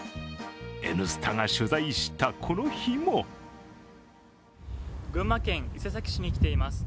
「Ｎスタ」が取材したこの日も群馬県伊勢崎市に来ています。